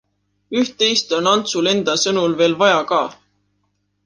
Üht-teist on Antsul enda sõnul veel vaja ka.